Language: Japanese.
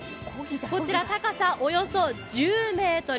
こちら高さおよそ１０ｍ。